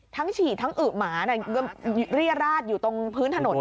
ทั้งฉี่ทั้งอืบหมาเรียราชอยู่ในพื้นถนนนะค่ะ